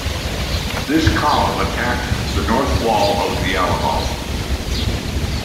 This column attacked the north wall of the Alamo.